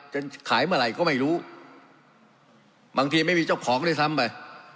จะขายเมื่อไหร่ก็ไม่รู้บางทีไม่มีเจ้าของด้วยซ้ำไป